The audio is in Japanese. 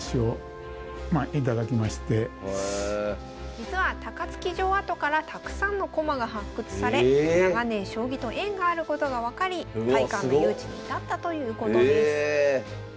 実は高槻城跡からたくさんの駒が発掘され長年将棋と縁があることが分かり会館の誘致に至ったということです。